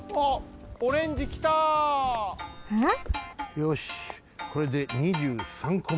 よしこれで２３こめ。